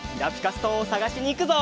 ストーンをさがしにいくぞ！